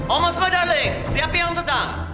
omos medaling siapa yang tetang